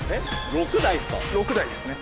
６台ですか？